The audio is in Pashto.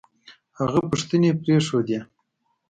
هغه پوښتنې پرېښودې